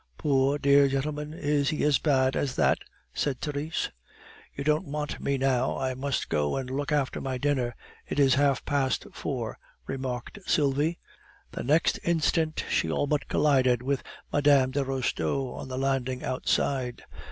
"Poor, dear gentleman, is he as bad at that?" said Therese. "You don't want me now, I must go and look after my dinner; it is half past four," remarked Sylvie. The next instant she all but collided with Mme. de Restaud on the landing outside.